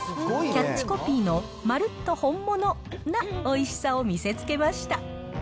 キャッチコピーの、マルッと本物なおいしさを見せつけました。